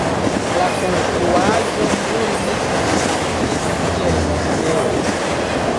La konstruaĵo nun estas uzita kiel moskeo.